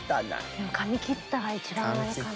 でも「髪切った？」が一番かな。